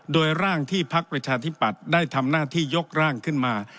โดยร่างที่พักประชาธิปัตย์ได้ทำหน้าที่ยกร่างขึ้นมา